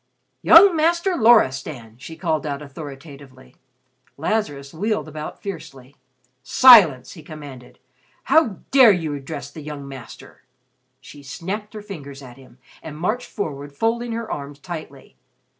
"Young Master Loristan!" she called out authoritatively. Lazarus wheeled about fiercely. "Silence!" he commanded. "How dare you address the young Master?" She snapped her fingers at him, and marched forward folding her arms tightly.